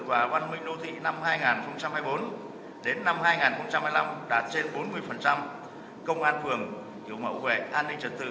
và văn minh đô thị năm hai nghìn hai mươi bốn đến năm hai nghìn hai mươi năm đạt trên bốn mươi công an phường kiểu mẫu về an ninh trật tự